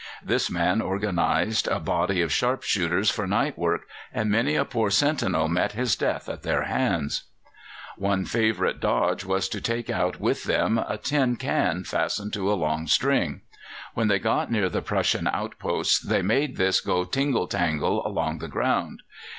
This man organized a body of sharp shooters for night work, and many a poor sentinel met his death at their hands. One favourite dodge was to take out with them a tin can fastened to a long string. When they got near the Prussian outposts they made this go tingle tangle along the ground.